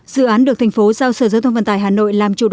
dự án được tp giao sở giao thông vận tải hà nội làm chủ đề